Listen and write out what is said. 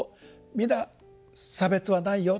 皆差別はないよ。